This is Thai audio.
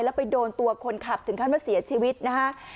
แล้วไปโดนตัวคนขับถึงขั้นว่าเสียชีวิตนะฮะ